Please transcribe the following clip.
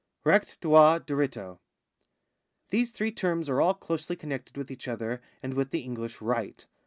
IIECHT, DROIT, DIRITTO. These three terms are all closely con nected with each other and with the English rigid.